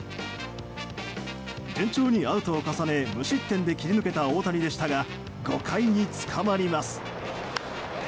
順調にアウトを重ね無失点で切り抜けた大谷でしたが５回に、つかまります。